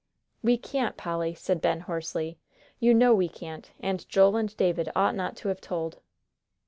"We can't, Polly," said Ben, hoarsely. "You know we can't. And Joel and David ought not to have told."